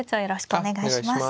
お願いします。